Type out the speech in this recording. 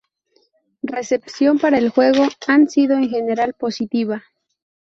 Recepción para el juego han sido en general positiva.